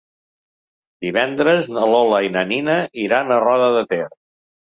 Divendres na Lola i na Nina iran a Roda de Ter.